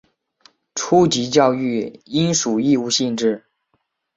初级教育应属义务性质。